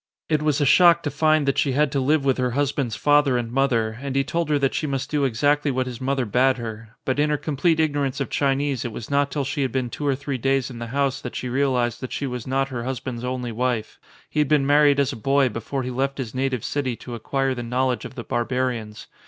It was a shock to find that she had to live with her husband's father and mother and he told her that she must do exactly what his mother bade her; but in her complete ignorance of Chinese it. was not till she had been two or three days in the house that she realised that she was not her hus band's only wife. He had been married as a boy" before he left his native city to acquire the knowl edge of the barbarians.